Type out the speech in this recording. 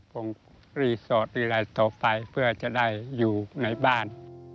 โรงรนิสรท์รีไรท์ต่อไปเพื่อจะได้อยู่ในบ้าน